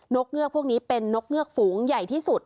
กเงือกพวกนี้เป็นนกเงือกฝูงใหญ่ที่สุด